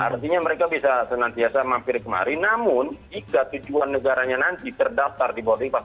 artinya mereka bisa senantiasa mampir kemari namun jika tujuan negaranya nanti terdaftar di boarding pass